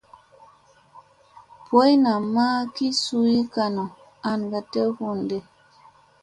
Boy namma ki suu kanu an ka dew wundi.